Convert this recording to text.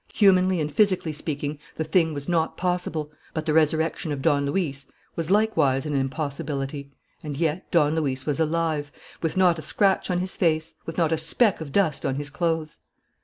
Humanly and physically speaking, the thing was not possible; but the resurrection of Don Luis was likewise an impossibility; and yet Don Luis was alive, with not a scratch on his face, with not a speck of dust on his clothes.